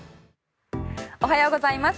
おはようございます。